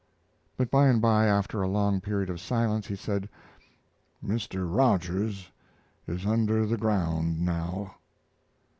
But by and by, after a long period of silence, he said: "Mr. Rogers is under the ground now."